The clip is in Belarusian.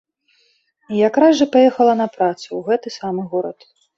І якраз жа паехала на працу ў гэты самы горад.